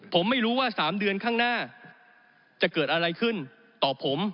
ผมไม่รู้ว่า๓เดือนข้างหน้าจะเกิดอะไรขึ้นต่อผม